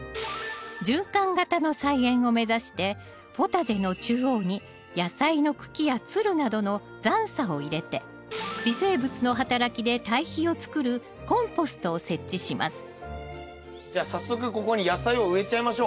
循環型の菜園を目指してポタジェの中央に野菜の茎やつるなどの残を入れて微生物の働きで堆肥をつくるコンポストを設置しますじゃあ早速ここに野菜を植えちゃいましょう。